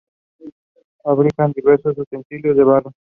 Fabricaban diversos utensilios de barro.